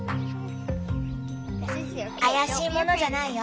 怪しいものじゃないよ